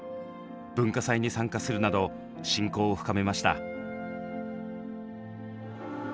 文化祭に参加するなど親交を深めました。